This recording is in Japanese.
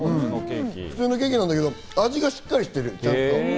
普通のケーキなんだけど、味がしっかりしてる。